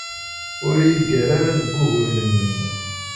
Ur iyi-ggar ara deg wuguren-nnem.